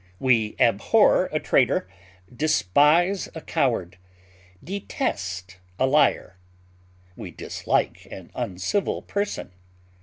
We abhor a traitor, despise a coward, detest a liar. We dislike an uncivil person.